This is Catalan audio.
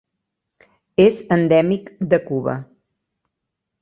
És endèmic de Cuba.